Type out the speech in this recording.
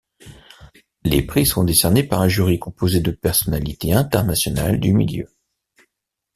Les prix sont décernés par un jury composé de personnalités internationales du milieu.